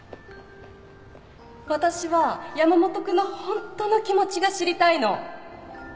私は山本君のホントの気持ちが知りたいの